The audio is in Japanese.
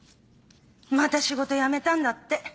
また仕事辞めたんだって。